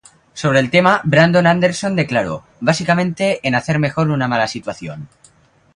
Sobre el tema, Brandon Anderson declaró: "Básicamente, en hacer mejor una mala situación.